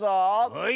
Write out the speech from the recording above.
はい。